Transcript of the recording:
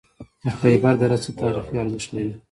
د خیبر دره څه تاریخي ارزښت لري؟